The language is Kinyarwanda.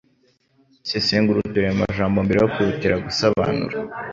sesengura uturemajambo mbere yo kwihutira gusobanura